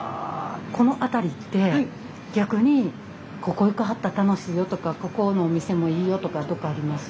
この辺りって逆にここ行かはった楽しいよとかここのお店もいいよとかどっかあります？